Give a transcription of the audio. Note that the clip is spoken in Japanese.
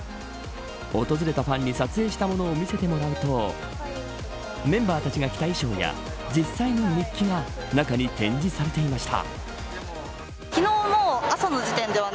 訪れたファンに撮影したものを見せてもらうとメンバーたちが着た衣装や実際の日記が中に展示されていました。